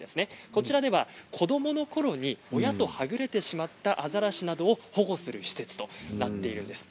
こちらでは子どものころに親とはぐれてしまったアザラシなどを保護する施設となっているんです。